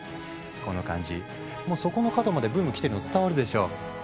この感じもうそこの角までブーム来てるの伝わるでしょ？